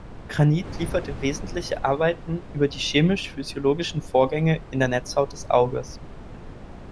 Granit lieferte wesentliche Arbeiten über die chemisch-physiologischen Vorgänge in der Netzhaut des Auges.